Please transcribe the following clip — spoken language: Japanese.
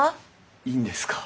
いいんですか？